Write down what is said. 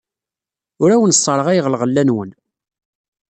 Ur awen-sserɣayeɣ lɣella-nwen.